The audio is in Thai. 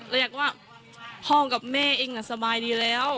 อยากว่าพ่อกับแม่เองน่ะสบายดีแล้ว